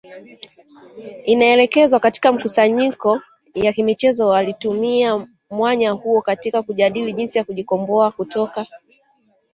Inaelezwa katika mikusanyiko ya kimichezo walitumia mwanya huo katika kujadili jinsi ya kujikomboa kutoka